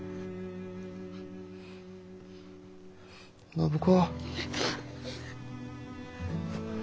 暢子。